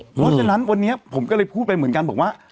เพราะฉะนั้นวันนี้ผมก็เลยพูดไปเหมือนกันบอกว่า